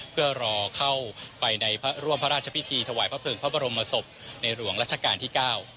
เพื่อรอเข้าไปในพระร่วมพระราชพิธีถวายพระเภิงพระบรมศพในหลวงรัชกาลที่๙